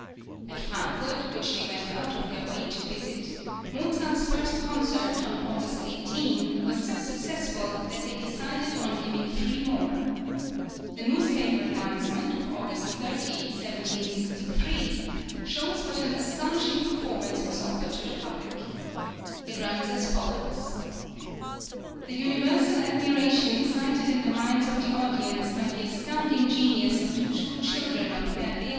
At Frankfort, which they went out of their way to visit, Mozart's first concert, on August 18, was so successful that they decided on giving three more. The newspaper announcement, of August 30, 1763, shows what an astonishing performance was offered to the public. It runs as follows:[20017] {FRANKFORT, COBLENZ, COLOGNE.} (33) The universal admiration excited in the minds of the audience by the astounding genius of the two children of Herr L.